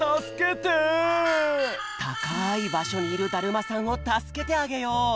たかいばしょにいるだるまさんをたすけてあげよう！